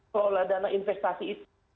kelola dana investasi itu